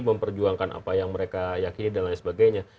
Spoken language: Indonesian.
memperjuangkan apa yang mereka yakini dan lain sebagainya